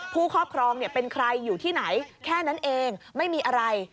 ครอบครองเป็นใครอยู่ที่ไหนแค่นั้นเองไม่มีอะไร